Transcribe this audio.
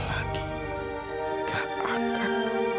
lagi ke akar